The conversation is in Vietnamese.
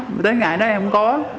rồi tới ngày đó em không có